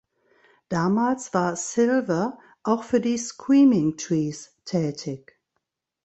Damals war Silver auch für die Screaming Trees tätig.